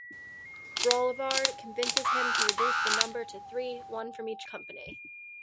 Broulard convinces him to reduce the number to three, one from each company.